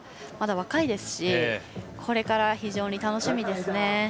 まだ若いですしこれから非常に楽しみですね。